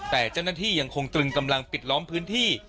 แต่เจ้าหน้าที่ยังคงตรึงกำลังปิดล้อมพื้นที่